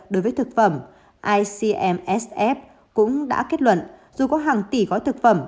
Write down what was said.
đối với thực phẩm icmsf cũng đã kết luận dù có hàng tỷ gói thực phẩm